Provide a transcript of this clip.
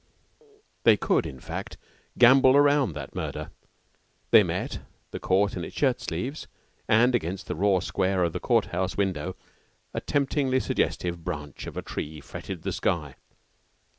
They could, in fact, gambol round that murder. They met the court in its shirt sleeves and against the raw square of the Court House window a temptingly suggestive branch of a tree fretted the sky.